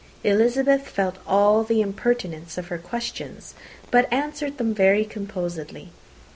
Elizabeth felt all the impertinence of her questions, but answered them very composedly.